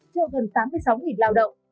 cho gần tám mươi sáu lao động